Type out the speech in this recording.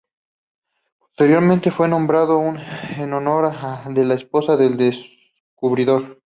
Posteriormente fue nombrado en honor de la esposa del descubridor.